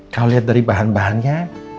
kau liat dari bahan bahannya